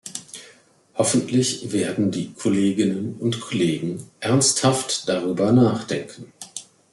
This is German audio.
Hoffentlich werden die Kolleginnen und Kollegen ernsthaft darüber nachdenken.